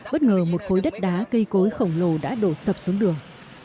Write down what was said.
bất ngờ một khối đất đá cây cối khổng lồ đã đổ sập xuống đường